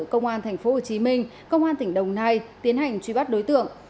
công an thành phố hồ chí minh công an tỉnh đồng nai tiến hành truy bắt đối tượng